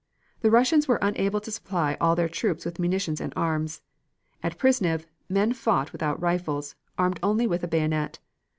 The Russians were unable to supply all their troops with munitions and arms. At Przasnysz men fought without rifles, armed only with a bayonet.